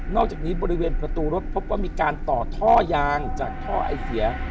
อกจากนี้บริเวณประตูรถพบว่ามีการต่อท่อยางจากท่อไอเสีย